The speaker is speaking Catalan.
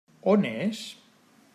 On és?